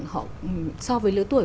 họ so với lứa tuổi